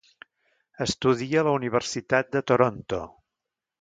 Estudia a la Universitat de Toronto.